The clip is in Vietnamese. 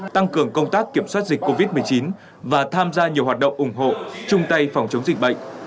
tăng cường công tác kiểm soát dịch covid một mươi chín và tham gia nhiều hoạt động ủng hộ chung tay phòng chống dịch bệnh